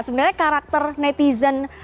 sebenarnya karakter netizen